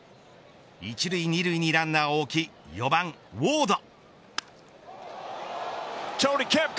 １塁２塁にランナーを置き４番ウォード。